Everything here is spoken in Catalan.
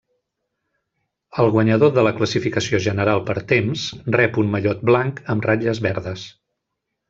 El guanyador de la classificació general per temps rep un mallot blanc amb ratlles verdes.